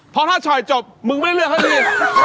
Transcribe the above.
เพราะถ้าช่อยจบมึงไม่เลือกให้ดี